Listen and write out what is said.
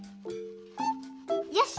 よし！